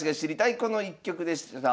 この一局」でした。